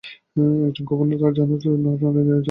একজন governor general রানীর প্রতিনিধিত্ব করেন।